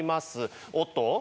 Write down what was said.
おっと？